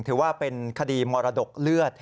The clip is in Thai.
ถือว่าเป็นคดีมรดกเลือด